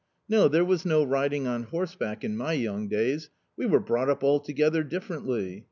No, there was no riding on horseback in my young days ; we were brought up altogether differently